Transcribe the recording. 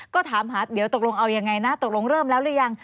ก็ถามหาเดี๋ยวตกลงเอายังไงนะตกลงเริ่มแล้วหรือยัง